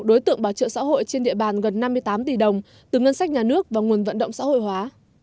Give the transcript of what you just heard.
đối tượng bảo trợ xã hội trên địa bàn gần năm mươi tám tỷ đồng từ ngân sách nhà nước và nguồn vận động xã hội hóa